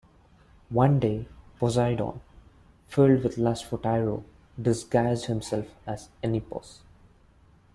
One day, Poseidon, filled with lust for Tyro, disguised himself as Enipeus.